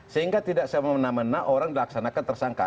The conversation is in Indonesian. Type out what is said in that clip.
sehingga tidak sama sama orang dilaksanakan tersangka